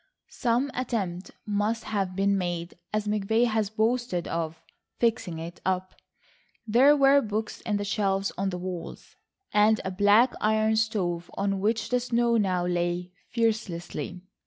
Some attempt must have been made, as McVay had boasted, of "fixing it up"; there were books in the shelves on the walls, and a black iron stove on which the snow now lay fearlessly.